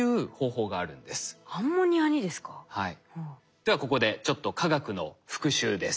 ではここでちょっと化学の復習です。